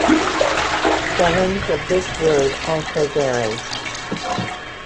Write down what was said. Spellings of this word also vary.